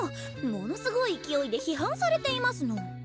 ものすごい勢いで批判されていますの。